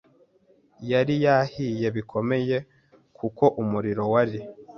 yari yahiye bikomeye kuko umuriro wari